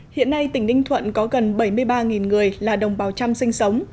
hiện nay tỉnh ninh thuận có gần bảy mươi ba người là đồng bào trăm sinh sống